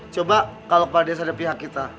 coba kalau kepala desa ada pihak kita